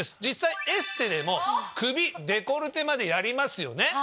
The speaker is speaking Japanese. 実際エステでも首デコルテまでやりますよね。